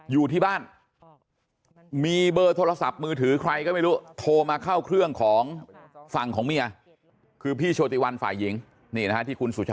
อยู่ที่บ้านมีเบอร์โทรศัพท์มือถือใครก็ไม่รู้